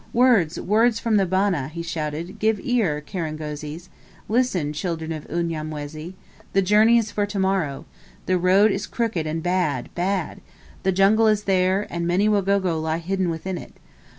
"Words, words, from the Bana," he shouted. "Give ear, kirangozis! Listen, children of Unyamwezi! The journey is for to morrow! The road is crooked and bad, bad! The jungle is there, and many Wagogo lie hidden within it!